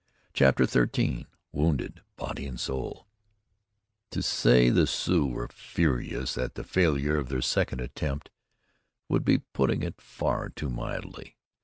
CHAPTER XIII WOUNDED BODY AND SOUL To say the Sioux were furious at the failure of their second attempt would be putting it far too mildly.